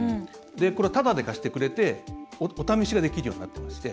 これをタダで貸してくれてお試しができるようになってまして。